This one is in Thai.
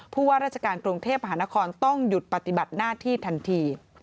ว่าราชการกรุงเทพมหานครต้องหยุดปฏิบัติหน้าที่ทันที